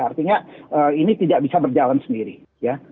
artinya ini tidak bisa berjalan sendiri ya